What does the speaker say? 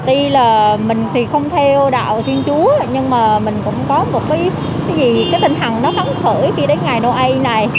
tuy là mình thì không theo đạo thiên chúa nhưng mà mình cũng có một cái tình hẳn nó khó khởi khi đến ngày noel này